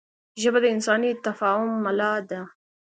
ژبه د انساني تفاهم ملا ده